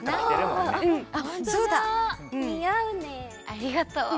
ありがとう。